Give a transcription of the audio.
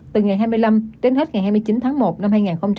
từ ngày hai mươi năm đến hết ngày hai mươi chín tháng một năm hai nghìn hai mươi